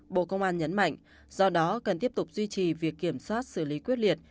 bộ công an nhấn mạnh do đó cần tiếp tục duy trì việc kiểm soát xử lý quyết liệt